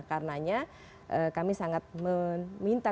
karena kami sangat meminta